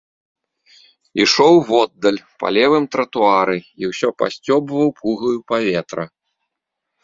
Ішоў воддаль, па левым тратуары і ўсё пасцёбваў пугаю паветра.